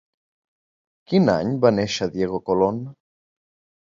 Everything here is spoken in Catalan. Quin any va néixer Diego Colón?